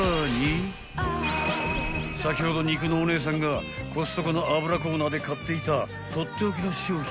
［先ほど肉のお姉さんがコストコの油コーナーで買っていたとっておきの商品］